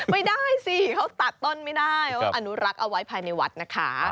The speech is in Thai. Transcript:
ไม่ได้สิเขาตัดต้นไม่ได้เขาอนุรักษ์เอาไว้ภายในวัดนะคะ